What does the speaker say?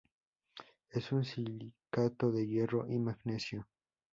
Es un silicato de hierro y magnesio.